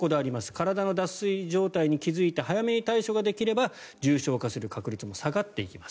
体の脱水状態に気付いて早めに対処ができれば重症化する確率も下がっていきます。